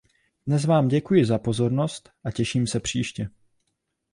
Dnes vám děkuji za pozornost a těším se příště.